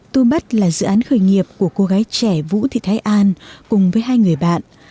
tourbud là dự án khởi nghiệp của cô gái trẻ vũ thị thái an cùng với hai người bạn